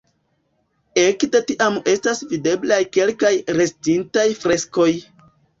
Ekde tiam estas videblaj kelkaj restintaj freskoj.